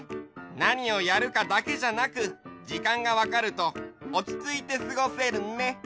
なにをやるかだけじゃなくじかんがわかるとおちついてすごせるね。